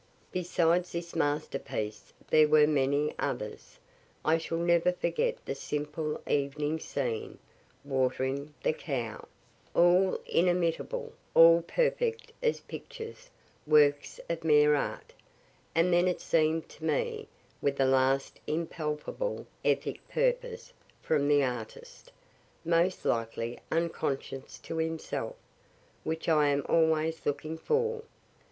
Besides this masterpiece, there were many others, (I shall never forget the simple evening scene, "Watering the Cow,") all inimitable, all perfect as pictures, works of mere art; and then it seem'd to me, with that last impalpable ethic purpose from the artist (most likely unconscious to himself) which I am always looking for.